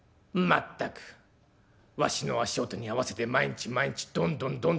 全くわしの足音に合わせて毎日毎日ドンドン